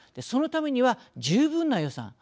そのためには十分な予算